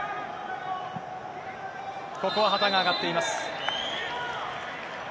ここは旗が上がっています。